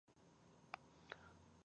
هند افغان لوبغاړو ته درناوی کوي.